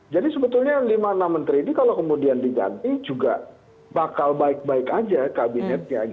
jadi sebetulnya lima enam menteri ini kalau kemudian diganti juga bakal baik baik saja kabinetnya